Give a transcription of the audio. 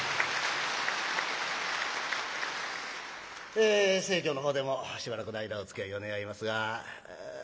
え生喬のほうでもしばらくの間おつきあいを願いますが。